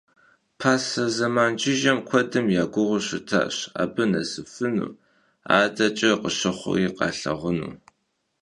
Pase zeman jjıjem kuedım ya guğeu şıtaş abı nesıfınu, adeç'e khışı'eri khalhağunu.